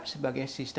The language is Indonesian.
musim pidari di situ